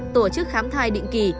tổ chức khám thai định kỳ